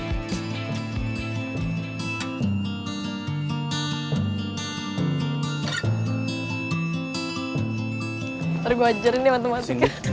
ntar gue ajarin deh matematiknya